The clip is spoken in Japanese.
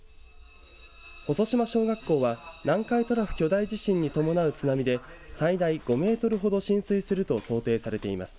細島小学校は南海トラフ巨大地震に伴う津波で最大５メートルほど浸水すると想定されています。